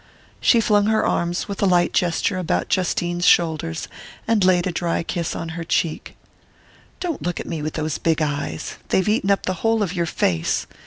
She flung her arms with a light gesture about Justine's shoulders, and laid a dry kiss on her cheek. "Don't look at me with those big eyes they've eaten up the whole of your face!